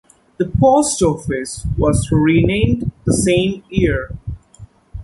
The post office was renamed the same year.